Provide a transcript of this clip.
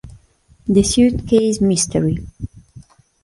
The Suit Case Mystery